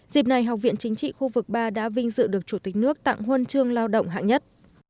dịp này học viện chính trị khu vực ba đã vinh dự được chủ tịch nước tặng huân chương lao động hạng nhất